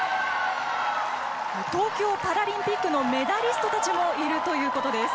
東京パラリンピックのメダリストたちもいるということです。